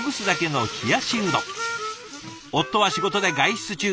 夫は仕事で外出中。